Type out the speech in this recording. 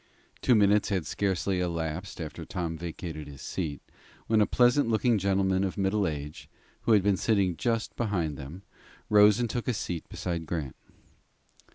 Two minutes had scarcely elapsed after Tom vacated his seat, when a pleasant looking gentleman of middle age, who had been sitting just behind them, rose and took the seat beside Grant.